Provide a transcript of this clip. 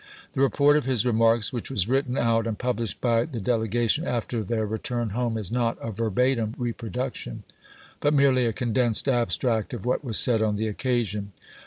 The report of his remarks, which was written out and published by the delega tion after their return home, is not a verbatim re production, but merely a condensed abstract of what was said on the occasion.